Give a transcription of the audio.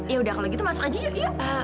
yaudah kalau gitu masuk aja yuk